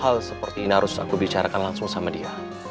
hal seperti ini harus aku bicarakan langsung sama dia